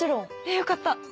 よかった！